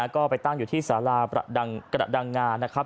ก็ไปตั้งอยู่ที่สาราประดังงานะครับ